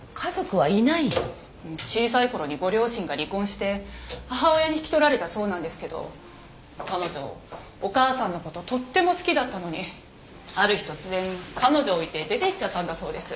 小さいころにご両親が離婚して母親に引き取られたそうなんですけど彼女お母さんのこととっても好きだったのにある日突然彼女を置いて出ていっちゃったんだそうです。